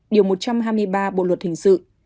điều một trăm hai mươi ba bộ luật hình sự